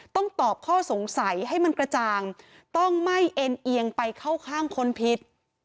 ต้องตอบข้อสงสัยให้มันกระจ่างต้องไม่เอ็นเอียงไปเข้าข้างคนผิด